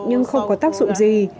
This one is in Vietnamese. nhưng không có tác dụng gì